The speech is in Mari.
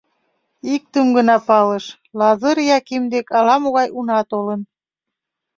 Иктым гына палыш: Лазыр Яким дек ала-могай уна толын.